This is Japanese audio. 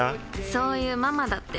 そういうママだって。